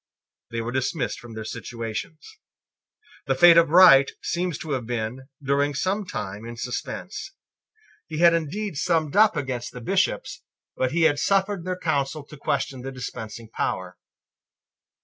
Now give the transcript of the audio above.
They were dismissed from their situations. The fate of Wright seems to have been, during some time, in suspense. He had indeed summed up against the Bishops: but he had suffered their counsel to question the dispensing power.